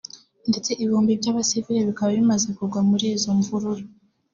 ndetse ibihumbi by’abasivili bikiba bimaze kugwa muri izo mvururu